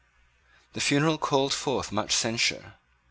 The funeral called forth much censure.